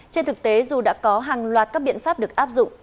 trên thực tế dù đã có hàng loạt các biện pháp được áp dụng